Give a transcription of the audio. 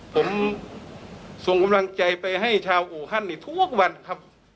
ผมส่งกำลังใจไปให้ชาวอู่ฮั่นนี่ทุกวันครับ